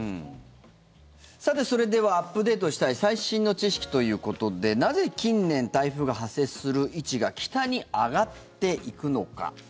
さて、それではアップデートしたい最新の知識ということでなぜ近年、台風が発生する位置が北に上がっていくのか。